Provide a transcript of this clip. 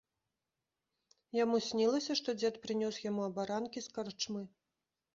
Яму снілася, што дзед прынёс яму абаранкі з карчмы.